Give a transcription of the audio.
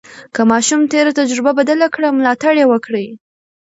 که ماشوم تېره تجربه بدله کړه، ملاتړ یې وکړئ.